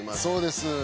そうです。